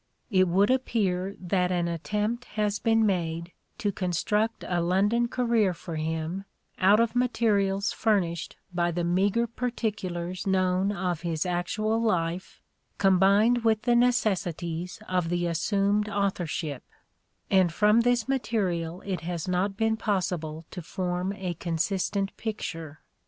It would appear that an attempt has been made to construct a London career for him out of materials furnished by the THE STRATFORDIAN VIEW 59 meagre particulars known of his actual life combined with the necessities of the assumed authorship, and from this material it has not been possible to form a consistent picture.